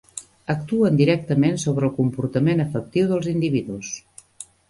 Actuen directament sobre el comportament afectiu dels individus.